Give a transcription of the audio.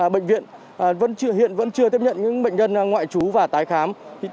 bệnh viện hiện vẫn chưa tiếp nhận những bệnh nhân ngoại trú và tái khám